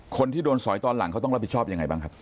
คนที่โดนสอยตอนหลังเขาต้องรับผิดชอบยังไงบ้างครับ